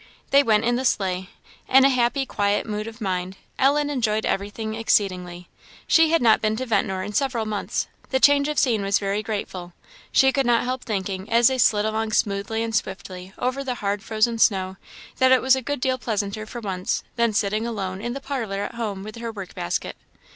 They went in the sleigh. In a happy, quiet mood of mind, Ellen enjoyed everything exceedingly. She had not been to Ventnor in several months; the change of scene was very grateful. She could not help thinking, as they slid along smoothly and swiftly over the hard frozen snow, that it was a good deal pleasanter, for once, than sitting alone in the parlour at home with her work basket.